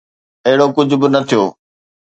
اهڙو ڪجهه به نه ٿيو.